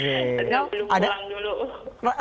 belum pulang dulu